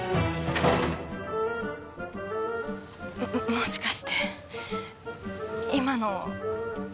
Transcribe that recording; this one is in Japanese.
もしかして今の？